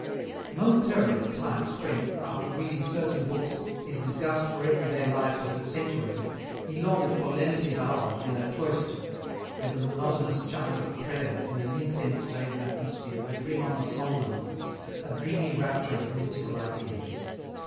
Momentarily at times when, after reading certain books, his disgust for everyday life was accentuated, he longed for lenitive hours in a cloister, where the monotonous chant of prayers in an incense laden atmosphere would bring on a somnolence, a dreamy rapture of mystical ideas.